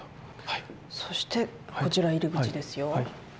そしてこちら入り口ですよ。